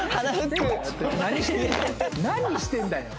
何してんだよ！